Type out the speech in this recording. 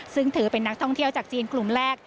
ซึ่งถือเป็นนักท่องเที่ยวจากจีนกลุ่มแรก